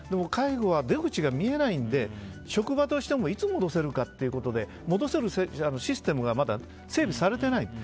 介護は出口が見えないので職場としてもいつ戻せるかということで戻せるシステムがまだ整備されてない。